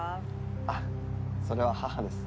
あっそれは母です。